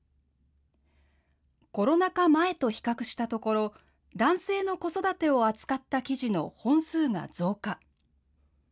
コロナ禍前と比較したところ、男性の子育てを扱った記事の本数が増加。